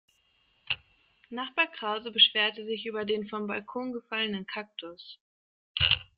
Nachbar Krause beschwerte sich über den vom Balkon gefallenen Kaktus.